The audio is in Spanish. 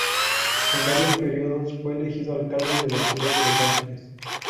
En varios períodos fue elegido Alcalde de la ciudad de Los Ángeles.